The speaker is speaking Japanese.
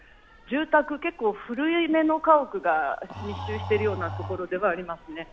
結構古めの家屋が密集しているようなところではありますね。